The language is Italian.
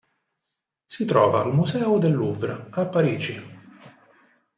Si trova al Museo del Louvre, a Parigi.